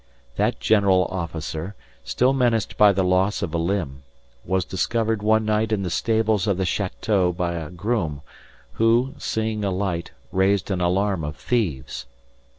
That general officer, still menaced by the loss of a limb, was discovered one night in the stables of the château by a groom who, seeing a light, raised an alarm of thieves.